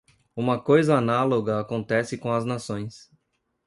Uma coisa análoga acontece com as nações.